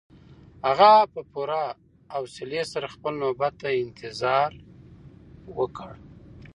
هغه په پوره حوصلي سره خپله نوبت ته انتظار وکړ.